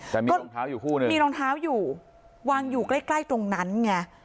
แต่มีรองเท้าอยู่คู่หนึ่งมีรองเท้าอยู่วางอยู่ใกล้ใกล้ตรงนั้นไง